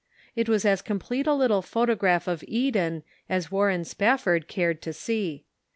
It was as complete a little photograph of Eden as Warren Spafford cared to see.